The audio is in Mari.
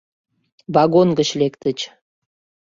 Вагон гыч лектыч.